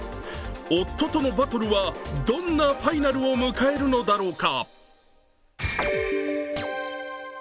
夫とのバトルはどんなファイナルを迎えるのだろうか。